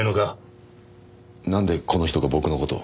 なんでこの人が僕の事を？